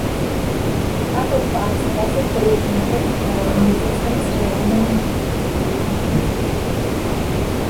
The apoplast also plays an important role in resistance to aluminum toxicity and resistance.